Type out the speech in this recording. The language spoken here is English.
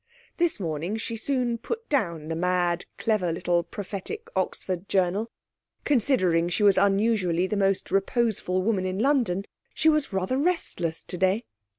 This morning she soon put down the mad clever little prophetic Oxford journal. Considering she was usually the most reposeful woman in London, she was rather restless today.